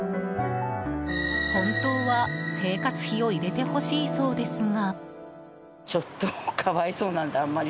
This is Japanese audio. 本当は生活費を入れてほしいそうですが。